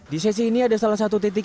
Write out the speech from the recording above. di sesi ini ada salah satu titik